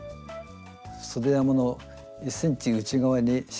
そで山の１ｃｍ内側に印をつけます。